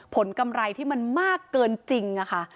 กำไรที่มันมากเกินจริงค่ะ